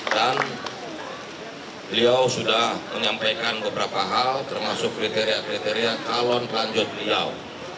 dan beliau sudah menyampaikan beberapa hal termasuk kriteria kriteria talon lanjut beliau